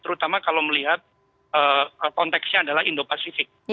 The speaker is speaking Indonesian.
terutama kalau melihat konteksnya adalah indo pasifik